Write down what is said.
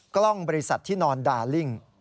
กล้องบริษัทที่นอนดาลิ่ง